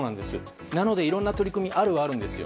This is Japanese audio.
なので、いろんな取り組みはあるはあるんです。